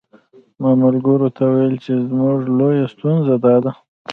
ما ملګرو ته ویل چې زموږ لویه ستونزه داده.